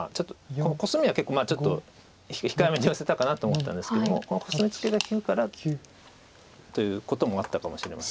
このコスミは結構ちょっと控えめにヨセたかなと思ったんですけどもこのコスミツケが利くからということもあったかもしれません。